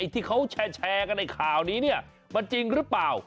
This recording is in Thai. ที่เขาแชร์กันในข่าวนี้เนี่ยมันจริงหรือเปล่า